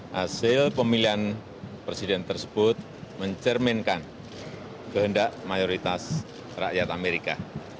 hasil pemilihan presiden tersebut mencerminkan kehendak mayoritas rakyat amerika